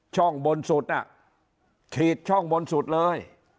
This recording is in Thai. ช่องบนสุดน่ะฉีดช่องบนสุดเลย